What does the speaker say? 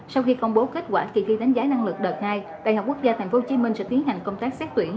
sau khi công bố kết quả kỳ thi đánh giá năng lực đợt hai đại học quốc gia tp hcm sẽ tiến hành công tác xét tuyển